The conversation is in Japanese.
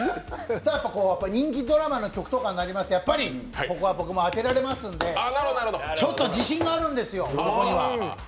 人気ドラマの曲とかになりますとやっぱり僕も当てられますんでちょっと自信があるんですよ、ここには。